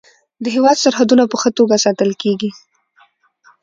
د هیواد سرحدونه په ښه توګه ساتل کیږي.